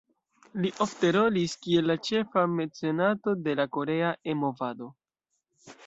Li ofte rolis kiel la ĉefa mecenato de la korea E-movado.